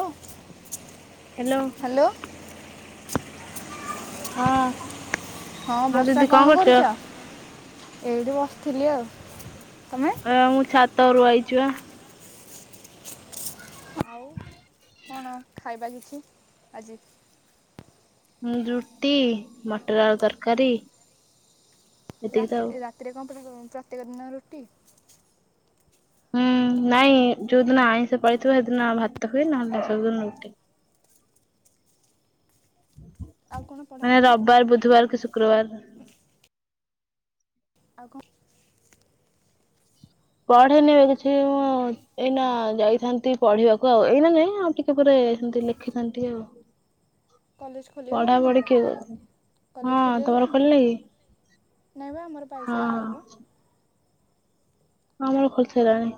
ଓଃ hello. ହଁ ହଁ ଦିଦି କଣ କରୁଛ? ଏଇଟି ବସ୍ ଆଁ ମୁଁ ଛାତରୁୁ ଆଇ ଚୁଆ। ଆଉ କଣ ଖାଇବା କିଛି ଆଜି। ମୁଁ ରୁଟି ମଟର ଆଳୁ ତରକାରୀ। ଏତିକି ତ ଆଉ। ରାତିରେ ରାତିରେ କଣ ଉଁ ପ୍ରତେକ ଦିନ ରୁଟି। ହୁଁ ନାଇଁ ଯୋଉ ଦିନ ଆଇଁଷ ପାଇଁଷ ହୁଏ ସେଦିନ ଭାତ ହୁଏ ନହେଲେ ସବୁଦିନ ରୁଟି। ଆଉ କ'ଣ ମାନେ ପଢ଼ାପଢ଼ି ରବିବାର, ବୁଧବାର କୁ ଶୁକ୍ରବାର। ଆଉ କଣ ପଢେନି ଏବେ କିଛି ଏଇନା ଯାଇଥାନ୍ତି ପଢିବାକୁ ଆଉ ଏଇନା ଯାଇ ଆଉ ଟିକେ ପରେ ଯାଇଥାନ୍ତି ଲେଖିଥାନ୍ତି ଆଉ। କଲେଜ ପଢା ଖୋଲିଗଲାଣି ପଢି ତମର କି କଲେଜ ହଁ ତମର ଖୋଲିଗଲାଣି ଖୋଲିନି କି? ନାଇଁ ବା ଆମର ହଁ ବାଇଶି ରେ ହଁ ଖୋଲିବ। ଆମର ଖୋଲି ସାରିଲାଣି।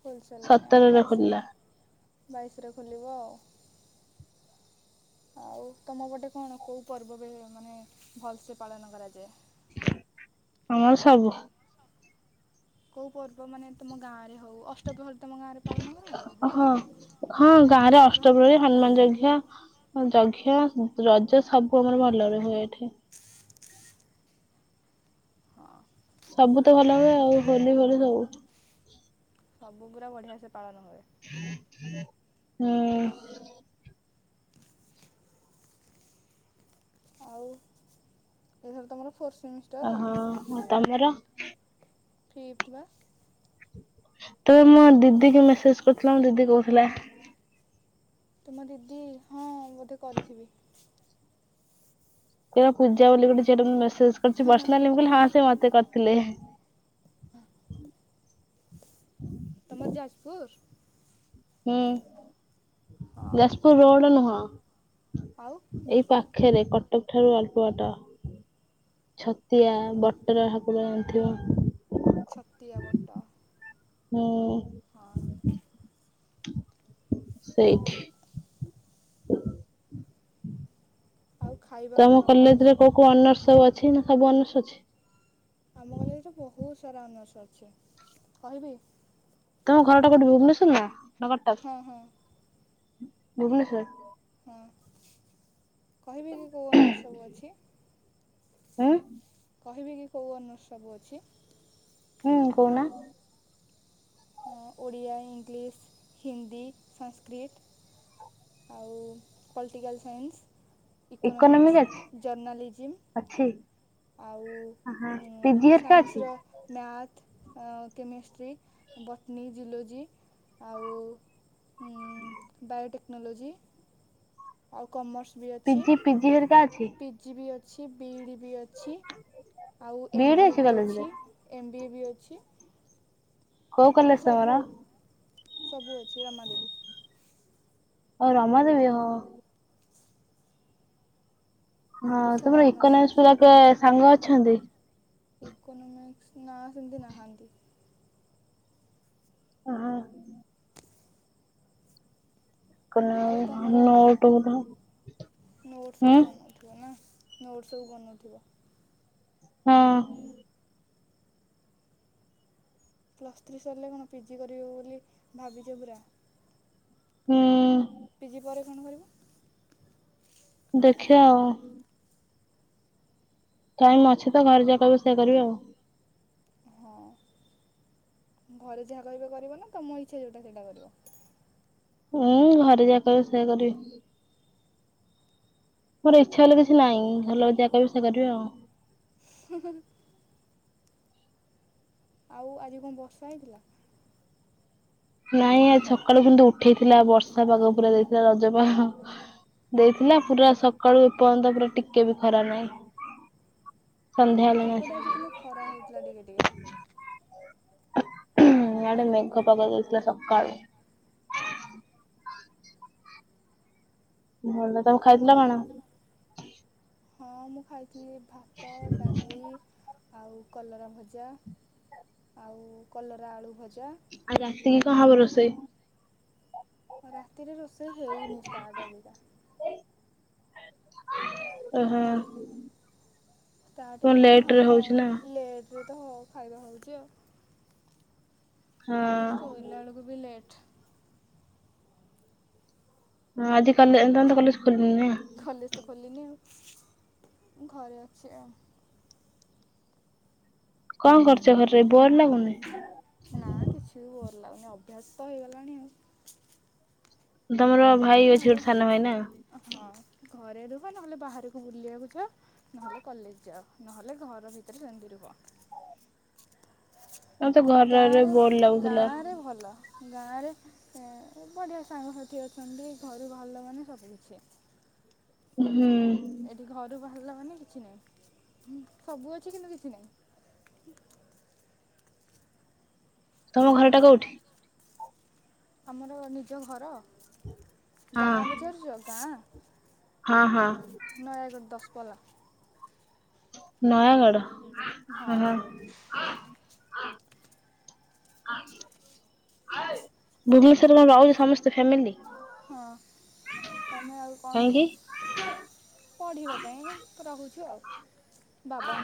ଖୋଲିସାରିଲାଣି ଆମର ବାଇଶରେ, ବାଇଶରେ ଖୋଲିବ ଆଉ। ଆଉ ତମ ପୋଟେ କଣ, କୋଉ ପର୍ବପର୍ବାଣୀ ମାନେ ଭଲ ସେ ପାଳନ କରାଯାଏ। ଆମର ସବୁ। କୋଉ ପର୍ବ ମାନେ ତୁମୋ ଗାଁରେ ହଉ ଅଷ୍ଟପ୍ରହର ହଁ ହଁ ଗାଁରେ ଅଷ୍ଟପ୍ରହରୀ ଅଷ୍ଟପ୍ରହରି ହନୁମାନ ଯଜ୍ଞ ଯଜ୍ଞ ରଜ ସବୁ ଆମର ଭଲରେ ହୁଏ ଏଠି। ହଁ ସବୁ ତ ଭଲ ହୁଏ ଆଉ ହୋଲି ଫୋଲି ସବୁ। ସବୁୁ ପୁରା ବଢିଆ ସେ ପାଳନ ହଏ। ହୁଁ। ଆଉ ଏଥର ତମର ଫୋର୍ଥ ସେମିଷ୍ଟର ଆଉ ଓହୋ ତମର। ଫିପତ ବା। ତବେ ମୋ ଦିଦି କି ମେସେଜ କରୁଥିଲ ମୋ ଦିଦି କହୁଥିଲା। ତୁମ ଦିଦି ହଁ ବୋଧେ କରିଥିବି। ସେ ପୂଜା ବୋଲି ଗୋଟେ ଝିଅଟା ସେସ୍ କରିଛି ପରସନାଲି ମୁ କହିଲ ହଁ ସେ ମତେ ଥିଲେ। ତମର ଯାଜପୁର। ହୁଁ। ହଁ ଯାଜପୁର ରୋଡ ନୁହଁ। ଆଉ ଏଇ ପାଖ ଖେ କଟକ ଠାରୁ ଆଳପୁ ବାଟ। ଛତିଆ କଟକ ବଟର ଠାକୁର ଥିବ ଛତିଆ ବଟ ହୁଁ ହଁ ସେଇଠି ଆଉ ଖାଇବା ତମ କଣ ଭଲ କଲେଜରେ କୋଉ କୋଉ ଅନର୍ସ ସବୁ ଅଛି ନା ସବୁ ଅନର୍ସ ଅଛି ଆମ କଲେଜରେ ତ ବହୁତ ସାରା ଅନସଃ ଅଛି କହିବି ତମ ଘରଟା କୋଉଠି ଭୁବନେଶ୍ୱର ନା ନା କଟକ ହଁ ହଁ ଭୁବନେଶ୍ୱର ହଁ କହିବି କି କୋଉ ଅନର୍ଷ ସବୁ ଅଛି ହୁଁ କହିବି କି କେଉଁ ଅନର୍ଷ ସବୁ ଅଛି ହୁଁ କହୁନା ଓଡ଼ିଆ ଇଂଲିଶ ହିନ୍ଦୀ ସାଂସ୍କ୍ରିକ ଆଉ ପଲିଟିକାଲ ସାଇନ୍ସ ଇକୋନୋମିକ ଇକୋନୋମିକ୍ସ ଅଛି ଜର୍ଣାଲିଜିମ୍ ଅଛି ଆଉ ହଁ ପିଜି ହେରିକା ଅଛି ସାଇନ୍ସର ମ୍ୟାଥ୍ ଆ କେମିଷ୍ଟ୍ରି ବଟନି ଜୁଲୋଜି ଆଉ ବାୟୋଟେକ୍ ଟେକ୍ନୋଲୋଜି ଆଉ କମର୍ସ ପିଜି ପିଜି ହେରି କା। ପିଜି ବି ଅଛି। ଅଛି ବିଡ଼ି। ବି ଅଛି ଆଉ ବିଇଡି ଏମ-ବି-ଏ ଅଛି ବି କଲେଜରେ ଆଛି। ବି ଅଛି। କୋଉ କଲେଜ ତମର ସବୁ ସବୁ ଅଛି ରମାଦେବୀ। ଓ ରମାଦବି ହୋ। ହଁ ବହୁତ ସାରା ତମର ଅନର୍ସ ଇକୋନୋମିକ୍ସ ଅଛି। ପିଲା କିଏ ସାଙ୍ଗ ଅଛନ୍ତି। ଏକୋନୋମିକ୍ସ ନା ସେମିତି ନାହାନ୍ତି। ହଁ। ଆଉ ତମର ଇକୋନୋମିକ୍ସ ନୋଟ ଗୁରା ନୋଟ ସବୁ ହୁଁ ବନେଉଚ ନା। ନୋଟ ସବୁ ବନଉଥିବ। ହଁ। ପ୍ଲସ୍ ଥ୍ରୀ ସରିଲେ କଣ ପିଜି କରିବେ ବୋଲି ଭାବିଛ ପୁରା ହୁଁ। ପିଜି ପରେ କଣ କରିବ। ଦେଖିବା ଆଉ। ଟାଇମ୍ ଅଛି ତ ଘରେ ଯାହା କହିବ ସେୟଆ କରିବି ଆଉ। ହଁ ଘରେ ଯାହା କହିବେ କରିବ ନା ତମ ଇଚ୍ଛା ଯୋଉଟା ସେଇଟା କରିବ। ହଁ ଘରେ ଯାହା କହିବେ ସେୟା କରିବି। ମୋର ଇଚ୍ଛା ହେଲେ କିଛି ନାଇ ଘର ଲୋକ ଯାହା କହିବେ ସେୟା କରିବି ଆଉ। ହୁଁ। ଆଉ ଆଜି କଣ ବର୍ଷା ହେଇଥିଲା। ନାଇଁ ଆଜି ସକାଳୁ କିନ୍ତୁ ଉଠେଇଥିଲା ବର୍ଷା ପାଗ ପୁରା ଦେଇଥିଲା ରଜପାଗ ଦେଇଥିଲା ପୁରା ସକାଳୁ ଏ ପର୍ଯ୍ୟନ୍ତ ପୁରା ଟିକେ ବି ଖରା ନାହିଁ। ସନ୍ଧ୍ୟା ହେଲାଣି ଆସି ଏପଟେ ଆଜି କିନ୍ତୁ ଖରା ହଉଥିଲା ଟିକେ ଟିକେ। ଇଆଡ଼େ ମେଘ ପାକ ଦେଇାଇଥିଲା ସକାଳୁ। ଭଲ ତମେ ଆଉ ଖାଇଥିଲ କଣ? ତମ ହଁ ମୁଁ ଖାଇଛି। ଖାଇଥିଲି ଭାତ, ଡାଲି। ଆଉ କଲରା ଭଜା ଆଉ କଲରା ଆଳୁ ଭଜା। ଆଜି ରାତି କି କଣ ହବ ରୋଷେଇ? ରାତିରେ ରୋଷେଇ ସେ ହେଇନି ଷ୍ଟାଟ୍ ଅବିକା। ଓଃହୋ। ଷ୍ଟାଟ୍ ହେଇନି ହବ ଲେଟ୍। ଏବେ ତ ହ ଖାଇବା ହେଉଛି ଆଉ। ହଁ। ଶୋଇଲା ବେଳକୁ ବି ଲେଟ୍। ହଁ ଆଜିିକା କଲେଜ ତ ଖୋଲିନି ଆଉ। ଘରେ ଅଛି ଆଉ। କଣ କରୁଛ ଘରେ ରହି ବୋର ଲାଗୁନି। ନା କିଛିି ବି ବୋର ଲାଗୁନି ଅଭ୍ୟାସ ତ ହେଇଗଲାଣି ଆଉ। ତମର ଘରେ ରହ ଭାଇ ଅଛି ନହେଲେ ଗୋଟେ ସାନ ଭାଇ ନା? ହଁ। ଘରେ ରୁହ ନହେଲେ ବାହାରକୁ ବୁଲିବାକୁ ଯାଅ ନହେଲେ କଲେଜ ଯାଅ ନହେଲେ ଘର ଭିତରେ ସେମିତି ରୁହ। ତମେ ତେ ଘରେ ରହି ରହି ଗାଁରେ ବୋର ଲାଗୁଥିଲା। ଗାଁରେ ଭଲ ଗାଁରେ ବଢ଼ିଆ ସାଙ୍ଗସାଥି ଅଛନ୍ତି ଘରୁ ବାହାରିଲା ମାନେ ସବୁ କିିଛି। ହୁଁ। ଏଠି ଘରୁ ବାହାରିଲା ମାନେ କିଛି ନାହିଁ ସବୁ ଅଛି କିନ୍ତୁ କିଛି ନାହିଁ। ତମ ଘରଟା କୋଉଠି? ଆମର ନିଜ ଘର ହଁ ଗାଁ ପଚାରୁଛ ଗାଁ। ହଁ ହଁ ନୟାଗଡ଼ ଦ ପଲା। ନୟାଗଡ଼। ହଁ। ଭୁବନେଶ୍ଵରରେ ତୋମେ ରହୁଚ ସମସ୍ତେ ଫ୍ୟାମିଲି। ହଁ ତୋମେ ଆଉ କଣ? କାହିଁକି ପଢ଼ିବା ପାଇଁ ରହୁଛୁ ଆଉ।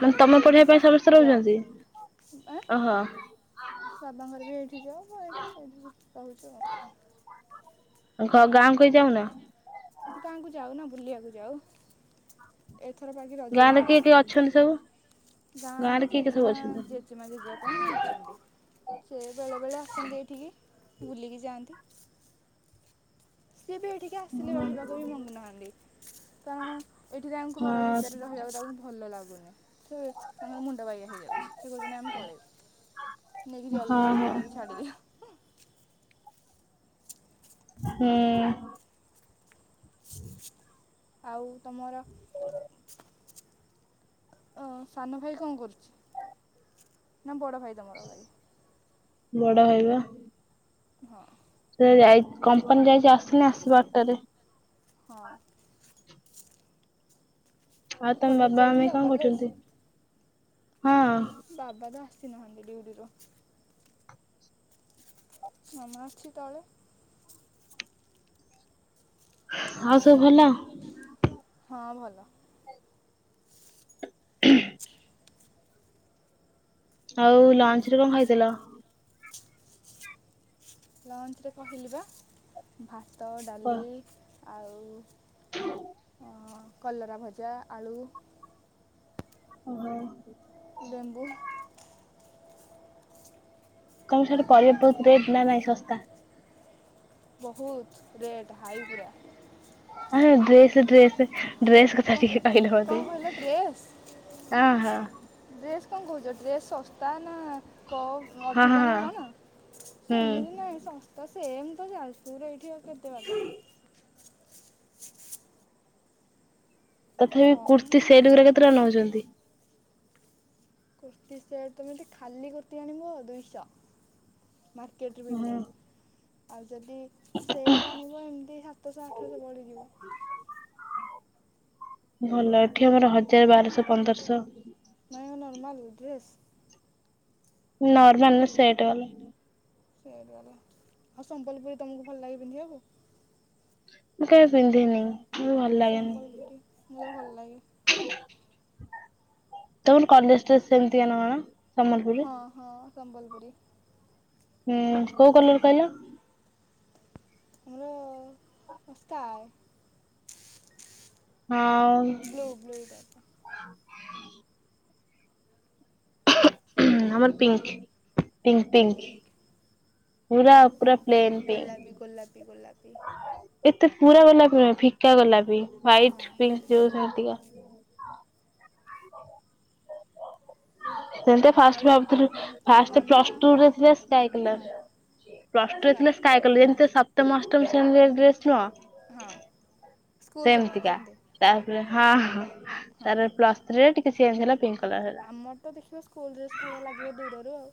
ମାନେ ବି ତମେ ପଢିବା ଏଇଠି ତ ପାଇଁ ସମସ୍ତେ ଜବ୍। ରହୁଛନ୍ତି? ଆଁ, ଓହୋ ବାବାଙ୍କର ବି ଏଇଠି ଜବ୍। ଏହିଠି ରହୁଚୁ ଆଉ। ଖ-ଗାଁକୁ ବି ଯାଉନ? ଗାଁକୁ ଯାଉନା। ବୁଲିବାକୁ ଯାଉ। ଏଥର ବାକି ଗାଁ ରଜରେ ରେ କିଏ କିଏ ଯାଇନଥିଲି। ଅଛନ୍ତି ସବୁ? ଗାଁ ଗାଁରେ ରେ କିଏ କିଏ ସବୁ ଜେଜେମା ଅଛନ୍ତି? ଜେଜେମା ଜେଜେବାପା ପାଇଁ ହିଁ ଅଛନ୍ତି। ସେ ବେଳେବେଳେ ଆସନ୍ତି ଏଇଠିକି। ବୁଲିକି ଯାଆନ୍ତି। ସିଏ ବି ଏଠିକି ଆସିଲେ ହଁ ରହିବାକୁ ବି ମଙ୍ଗୁନାହାନ୍ତି। କାରଣ ଏଠି ତାଙ୍କୁ ଘର ଭିତରେ ରହିବାକୁ ତାଙ୍କୁ ଭଲ ଲାଗୁନି। ସେ ତାଙ୍କର ମୁଣ୍ଡ ବାଇଆ ହେଇଯାଉଛି। ସେ କହୁଚନ୍ତି ଆମେ ପଳେଇବୁ। ନେଇକି ହଁ ଜଲଦି ଜଲଦି ହଁ ନେଇକି ଛାଡିଦିଅ। ହଁ। ଆଉ ତୋମର ଅ, ସାନ ଭାଇ କଣ କରୁଛି? ନା ବଡ଼ ଭାଇ ତୋମର ଭାଇ? ବଡ ଭାଇ ପା। ହଁ। ସେ ଯାଇ, କମ୍ପାନୀ ଯାଇଚି। ଆସିନେ ଆସିବ ଆଟାରେ। ହଁ। ଆଉ ତୋମ କଲେଜ ବାବା ମମ୍ମି ଯାଇଥିଲ କଣ କଲେଜ? କରୁଚିନ୍ତି? ହଁ। ଛି ନହେଲେ ବି ଉଡ଼ିବ। ମାମା ଅଛି ତାହଲେ। ଆଉ ସବୁ ଭଲ? ହଁ ଭଲ। [inaudible] ଆଉ ଲଞ୍ଚ୍ ରେ କଣ ଖାଇଥିଲ? ଲଞ୍ଚ୍ ରେ କହିଲି ବା ଭା ତ, କ ଡାଲି ଆଉ ହଁ କଲରା ଭଜା, ଆଳୁ ଓ ହୋ। ଲେମ୍ବୁ କଣ ସାଡେ ପରିବା ବହୁ ରେଟ୍ ନା ନାହିଁ ଶସ୍ତା? ବହୁତ ରେଟ୍ ହାଇ ପୁରା। [unintelligible] ଡ୍ରେସ୍ ଡ୍ରେସେ ଡ୍ରେସ୍ କଥା କ- ଟିକେ କହିଲ କ'ଣ ମୋତେ କହିଲ ଡ୍ରେସ୍ ଓ ହୋ। ଡ୍ରେସ୍ କଣ କହୁଚ ଡ୍ରେସ୍ ସ ତା ନା କ ହଁ ହଁ ଅଧିକ ନା ହଁ କଣ? ହୁଁ ସେମିତି ନାହିଁ ଶସ୍ତା ସ ସେମ୍ ତ ଯାଜପୁରରୁ ଏଇଠି ଆଉ କେତେ ବାଟ। ତଥାପି କମ୍ କୁର୍ତ୍ତୀ ସେଲିଉରେ କେତେଟଙ୍କା ନଉଛନ୍ତି। କୁର୍ତ୍ତୀ ସେ ତମେ ଟିକେ ଖାଲି କୁର୍ତ୍ତିୀ ଆଣିବ ଦୁଇଶହ। ମାର୍କେଟ ହଁ ବିଲ୍ଡିଂ। ଆଉ ଯଦି ସେଟ ଆଣିବ ଏମିତି ସାତଶହ ଆଠଶହ ପଡିଯିବ। ଭଲ ଏଠି ଆମର ହଜାର ବାରଶହ ପନ୍ଦରଶହ। ମାନେ ନର୍ମାଲ ଡ୍ରେସ୍ ନର୍ମାଲ ନୁହଁ ସେଟ ବାଲା। [unintelligible] ସମ୍ବଲପୁରୀ ତମକୁ ଭଲ ଲାଗେ ପିନ୍ଧିବାକୁ? ମୁଁ କେବେ ପିନ୍ଧିନି। ମତେ ଭଲ ଲାଗେନି। ସମ୍ବଲପୁରୀ ମୋତେ ଭଲ ଲାଗେ। ତମର କଲେଜ୍ ଡ୍ରେସ ସେମତିଆ ନା କଣ। ସମ୍ବଲପୁରୀ। ହଁ ହଁ ସମ୍ବଲପୁରୀ। ହୁଁ କୋଉ କଲର କହିଲ। ମୁଁ ଅ ସ୍କାଏ। ହଉ। [inaudible] ବ୍ଲୁ ବ୍ଲୁ ଟାଇପ୍ର ଆମର ପିଙ୍କ୍। Pink pink. ପିଙ୍କ୍ ନା ଗୋଲାପୀ ଗୋଲାପୀ ଗୋଲାପୀ। ଏତେ ପୁରା ଗୋଲାପି ନୁହ ଫିକା ଗୋଲାପି ହଁ ୱାଇଟପିଙ୍କ ଯଉ ସେମତିକା [inaudible] ସେମତି ଫାଷ୍ଟ ଆଉ ଭାବୁଥିଲୁ ତୁମ ଫାଷ୍ଟ ମାମା ପ୍ଲସ୍ଟରେ ଥିଲେ ହଁ ସ୍କାଏକଲର୍ ପ୍ଲସଟୁରେ ଥିଲେ ସ୍କାଏ ସ୍କାଏକଲର୍ ଯେମିତି ସପ୍ତମ ଅ ସପ୍ତମ ଶ୍ରେଣୀରେ ଡ୍ରେସ୍ ହଁ ନୁହଁ ସ୍କୁଲ ସମୟରେ ସେମିତିକା ଯେମିତି ତାପରେ ହଁ ହଁ। ହଁ ତାର ପ୍ଲସଥ୍ରୀରେ ଟିକେ ସିଏ ହେଲା ପି ହେଲା ହେଲା ଆମର ତ ଦେଖିବ ସ୍କୁଲଡ୍ରେସ୍ ଭଳିଆ ଲାଗିବ ଦୂରରୁ ଆଉ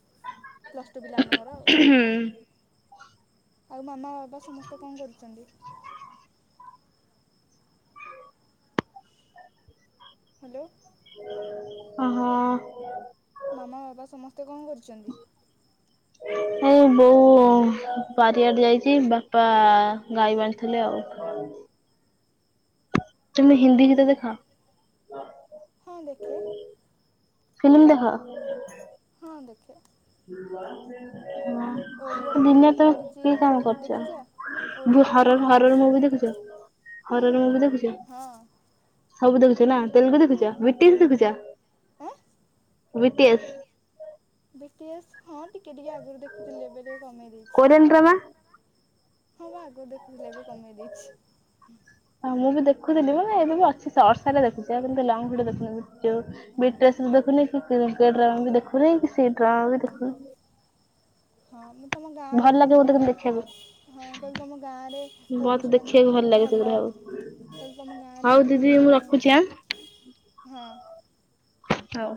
ପ୍ଲସଟୁ ପିଲାମାନଙ୍କର ଆଉ। ଆଉ ମାମା ବା ବା ସମସ୍ତେ କଣ କରୁଛନ୍ତି। ହ୍ୟାଲୋ। ଓ ହୋ। ଆମ ବାବା ସମସ୍ତେ ଏବେ କଣ କରୁଛନ୍ତି? ଏ ବୋଉ ବାରିଆଡେ ଯାଇଛି ବାପା ଗାଈ ବାନ୍ଧୁଥିଲେ ଆଉ। ତୁମେ ଆଉ ହିନ୍ଦୀଗୀତ ଦେଖ। ହଁ ଦେଖେ। ଫିଲିମ୍ ଦେଖ। ହଁ ଦେଖେ। [unintelligible] ଓଡ଼ିଆର ହଁ ଦିନ ଫିଲ୍ମ ତମେ ପଡ଼ିଛି କିଏ କାମ ଦେଖିଛ କରୁଛ ଓଡ଼ିଆର ହର ଫିଲ୍ମ ହରର ପଡ଼ିଛି ମୁଭି ଦେଖୁଛ ହଁ ହରର ମୁଭି ଦେଖୁଛ। ହଁ ସବୁ ଦେଖୁଛ ନା ତେଲଗୁ ହଁ ଦେଖୁଛ ବ୍ରିଟିଶ୍ ଦେଖୁଛ। ଆଁ ବିି ଟି ଏ ସ୍ ବିି ଟି ଏ ଶ୍ ହଁ ଟିକେ ଟିକେ ଆଗରୁ ଦେଖୁଥିଲି ଏବେ ଟିକେ କମେଇ କୋରିଆନ ଡ୍ରାମା? ଦେଇେଇଛି। ହଁ ବା ଆଗରୁ ଦେଖୁଥିଲେ ଏବେ କମେଇ ଦେଇଛି। ହଁ ମୁଁ ବି ଦେଖୁଥିଲି ମାନେ ଏବେ ବି ଅଛି ଶୋର୍ଟରେ ଦେଖୁଛି ଏମତି ଲଙ୍ଗଭିଡିଓ ଦେଖୁନି। ହୁଁ ବିଟସ ଦେଖୁନି କି ଡ୍ରାମାବି ଦେଖୁନି କି ସେଇ ଡ୍ରାମାବି ଦେଖୁନି। ହଁ ତୁମ ଗାଁରେ ଭଲ କଣ ଲାଗେ ମତେ ପଢ଼ିବା କିନ୍ତୁ ଦେଖିବାକୁ। ହଁ କହିଲେ ତୁମ ଗାଁରେ ମତେ ପଡ଼ୋଶୀମାନେ ଦେଖିବାକୁ ସବୁ ଲାଗେ ସେଗୁରା ଭଲ ସବୁ। କହିଲେ ତୁମ ଗାଁରେ ହଉ ସବୁ ଦିଦି ମୁଁ ପଡ଼ୋଶୀମାନେ ରଖୁଛି ଆଁ ହଁ ହଉ।